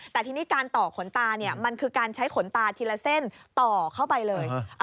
แต่ทีนี้การต่อขนตามันคือการใช้ขนตาทีละเส้นต่อเข้าไปเลย